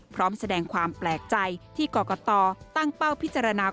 พร้อมแสดงความแปลกใจที่กรกตตั้งเป้าพิจารณา